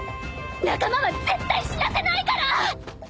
「仲間は絶対死なせないから！」